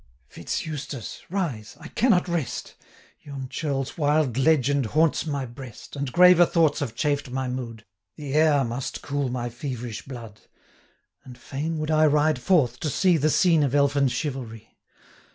'Fitz Eustace! rise, I cannot rest; Yon churl's wild legend haunts my breast, And graver thoughts have chafed my mood: The air must cool my feverish blood; 540 And fain would I ride forth, to see The scene of elfin chivalry.